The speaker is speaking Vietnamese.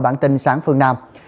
bản tin sáng phương nam